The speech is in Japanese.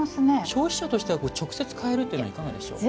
消費者としては直接買えるのはいかがでしょう。